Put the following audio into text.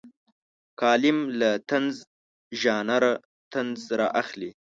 کالم له طنز ژانره طنز رااخلي.